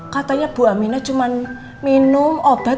katanya bu aminah cuma minum obat